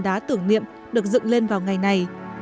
đá tưởng niệm được dựng lên vào ngày này